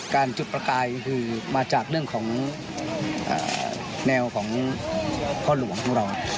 จุดประกายคือมาจากเรื่องของแนวของพ่อหลวงของเรา